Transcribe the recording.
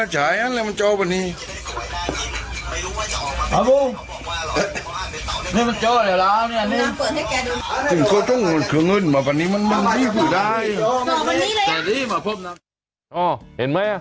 อ้อเห็นไหมอะ